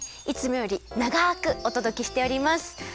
いつもよりながくおとどけしております！